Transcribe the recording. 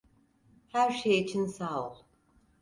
Her şey için sağ ol.